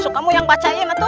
kamu yang bacain itu